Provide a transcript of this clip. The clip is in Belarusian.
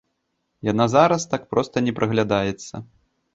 Яна зараз так проста не праглядаецца.